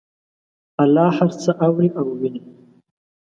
الله هر څه اوري او ویني